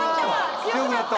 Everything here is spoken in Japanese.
強なった！